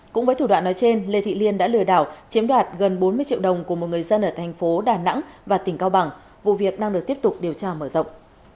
cũng với thủ đoạn nói trên lê thị liên đã lừa đảo chiếm đoạt gần bốn mươi triệu đồng của một người dân ở thành phố đà nẵng và tỉnh cao bằng vụ việc đang được tiếp tục điều tra mở rộng